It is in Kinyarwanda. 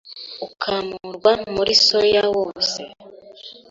ukamurwa muri soya wose